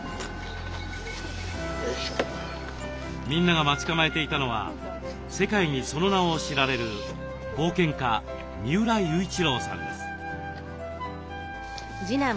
みんなが待ち構えていたのは世界にその名を知られる冒険家三浦雄一郎さんです。